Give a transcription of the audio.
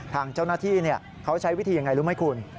ทางเจ้าหน้าที่เขาใช้วิธียังไงรู้ไหมคุณ